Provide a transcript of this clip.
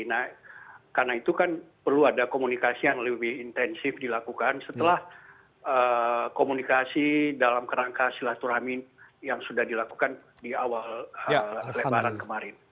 nah karena itu kan perlu ada komunikasi yang lebih intensif dilakukan setelah komunikasi dalam kerangka silaturahmi yang sudah dilakukan di awal lebaran kemarin